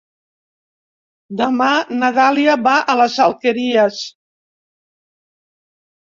Demà na Dàlia va a les Alqueries.